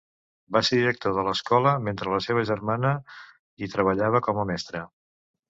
Va ser director de l'escola mentre la seva germana hi treballava com a mestra.